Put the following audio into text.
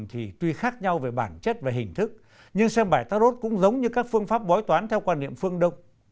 thì tuy khác nhau về bản chất và hình thức nhưng xem bài tarot cũng giống như các phương pháp bói toán theo quan niệm phương đông